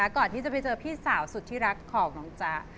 ก่อนที่จะไปเจอพี่สาวสุดที่รักของน้องจ๊ะ